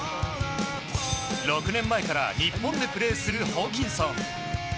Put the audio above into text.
６年前から日本でプレーするホーキンソン。